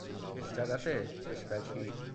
شش طرفه، شش وجهی